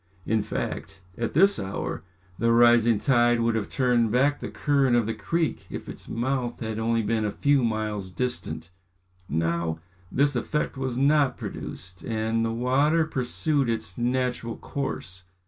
In fact, at this hour, the rising tide would have turned back the current of the creek if its mouth had only been a few miles distant. Now, this effect was not produced, and the water pursued its natural course.